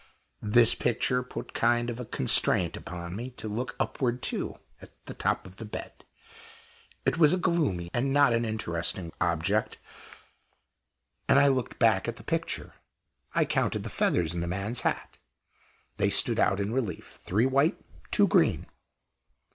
This picture put a kind of constraint upon me to look upward too at the top of the bed. It was a gloomy and not an interesting object, and I looked back at the picture. I counted the feathers in the man's hat they stood out in relief three white, two green.